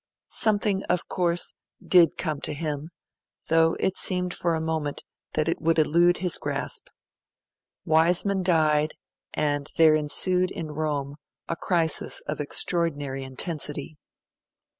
Something, of course, did come to him, though it seemed for a moment that it would elude his grasp. Wiseman died, and there ensued in Rome a crisis of extraordinary intensity.